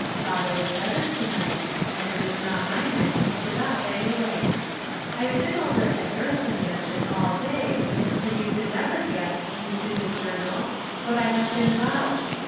Father is better to night, and it is not my night to sit up, anyway. I have been over at the Harrison mansion all day, and you could never guess, you stupid Journal, what I have been about.